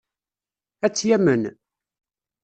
Ad tt-yamen?